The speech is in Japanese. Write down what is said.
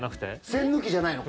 栓抜きじゃないの。